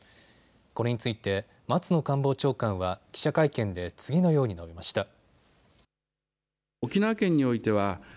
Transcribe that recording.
これについて松野官房長官は記者会見で次のように述べました。